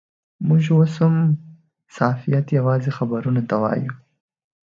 موږ اوس هم صحافت یوازې خبرونو ته وایو.